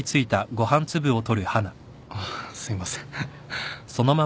あっすいません。